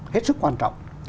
hết sức quan trọng